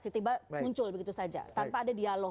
tiba tiba muncul begitu saja tanpa ada dialog